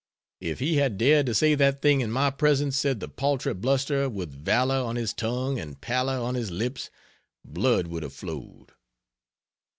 "If he had dared to say that thing in my presence," said the paltry blusterer, with valor on his tongue and pallor on his lips, "blood would have flowed."